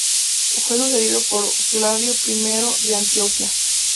Fue sucedido por Flaviano I de Antioquía.